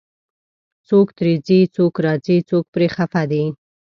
څوک ترې ځي، څوک راځي، څوک پرې خفه دی